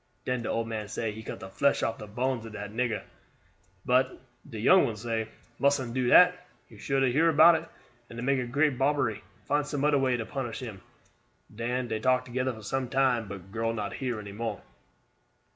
Den de old man say he cut de flesh off de bones ob dat nigger; but de young one say: 'Mustn't do dat. You sure to hear about it, and make great bobbery. Find some oder way to punish him.' Den dey talk together for some time, but girl not hear any more."